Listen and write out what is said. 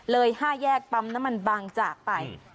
๕แยกปั๊มน้ำมันบางจากไป